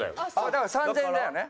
だから３０００円だよね。